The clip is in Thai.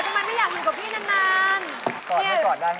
ไม่อยากอยู่กับพี่นาน